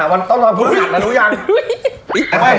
วันต้อนรอบพูดสัดน่ารู้ยัง